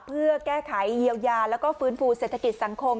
เพื่อแก้ไขเยียวยาแล้วก็ฟื้นฟูเศรษฐกิจสังคม